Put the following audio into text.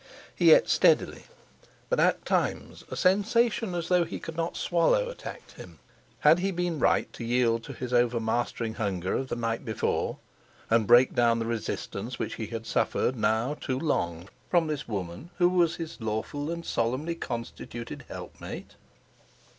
He ate steadily, but at times a sensation as though he could not swallow attacked him. Had he been right to yield to his overmastering hunger of the night before, and break down the resistance which he had suffered now too long from this woman who was his lawful and solemnly constituted helpmate?